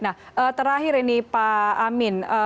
nah terakhir ini pak amin